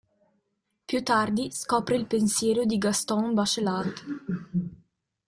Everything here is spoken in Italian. Più tardi, scopre il pensiero di Gaston Bachelard.